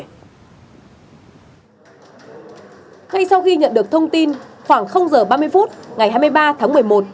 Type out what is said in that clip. ngay sau khi nhận được thông tin khoảng h ba mươi phút ngày hai mươi ba tháng một mươi một